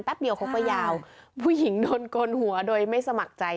เดียวเขาก็ยาวผู้หญิงโดนโกนหัวโดยไม่สมัครใจ